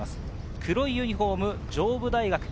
黒いユニフォーム、上武大学。